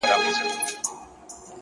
سیاه پوسي ده _ ستا غمِستان دی _